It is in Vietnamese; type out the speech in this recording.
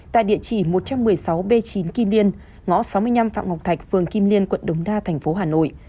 tại địa chỉ một trăm một mươi sáu b chín kim liên ngõ sáu mươi năm phạm ngọc thạch phường kim liên quận đồng đa tp hà nội